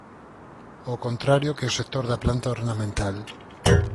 Ao contrario que o sector da planta ornamental.